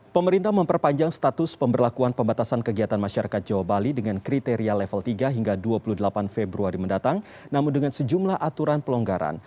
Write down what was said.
pemerintah memperpanjang status pemberlakuan pembatasan kegiatan masyarakat jawa bali dengan kriteria level tiga hingga dua puluh delapan februari mendatang namun dengan sejumlah aturan pelonggaran